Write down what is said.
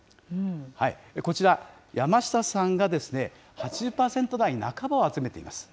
こちら、山下さんが８０％台半ばを集めています。